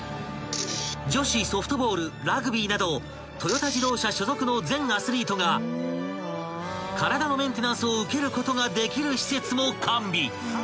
［女子ソフトボールラグビーなどトヨタ自動車所属の全アスリートが体のメンテナンスを受けることができる施設も完備］